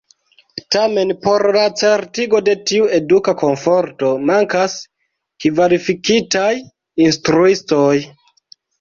Tamen, por la certigo de tiu eduka komforto mankas kvalifikitaj instruistoj.